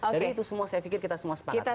jadi itu semua saya pikir kita semua sepakat